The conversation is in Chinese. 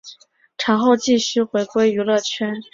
产后继续回归娱乐圈。